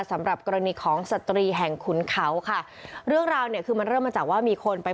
สำหรับกรณีของสตรีแห่งขุนเขาค่ะเรื่องราวเนี่ยคือมันเริ่มมาจากว่ามีคนไป